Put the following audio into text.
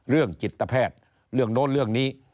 เรื่องจิตแพทย์เรื่องโน้นเรื่องนี้